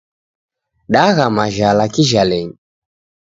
Dagha majhala kijhalenyi